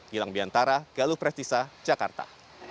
gilang biantara galuh prestisa jakarta